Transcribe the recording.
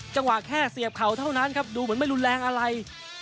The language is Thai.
จังหวะแค่เสียบเข่าเท่านั้นครับดูเหมือนไม่รุนแรงอะไร